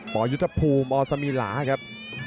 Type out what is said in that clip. ปยุฒิภูมิอสมีลาครับ